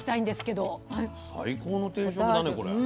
最高の定食だねこれ。